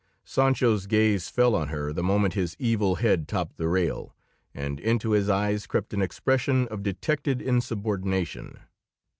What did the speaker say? Sancho's gaze fell on her the moment his evil head topped the rail, and into his eyes crept an expression of detected insubordination.